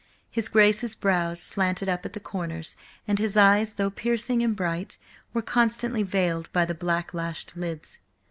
His Grace's brows slanted up at the corners, and his eyes, though piercing and bright, were constantly veiled by the black lashed lids.